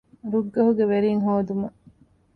ރުއްގަހުގެ ވެރިންހޯދުމަށް